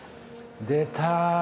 出た。